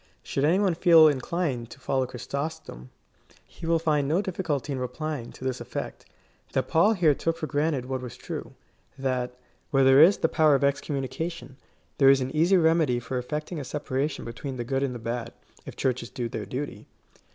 Should any one feel inclined to follow Chrysostom, he will find no difficulty in replying, to this effect : that Paul here took for granted what was true — that, where there is the power of excommunication, there is an easy remedy for effecting a separation between the good and the bad, if Churches do their duty.